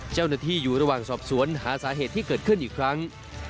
เจ้าหน้าที่อยู่ระหว่างสอบสวนหาสาเหตุที่เกิดขึ้นอีกครั้ง